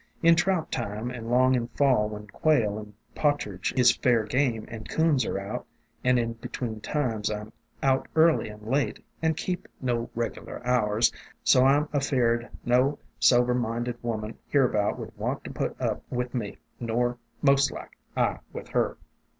In trout time and 'long in Fall when quail and pa' tridge is fair game and 'coons are out, and in be tween times I 'm out early and late, and keep no reglar hours, so I 'm af eared no sober minded woman hereabout would want ter put up with me, — nor, mostlike, I with her.'